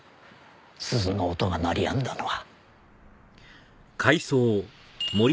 鈴の音が鳴りやんだのは。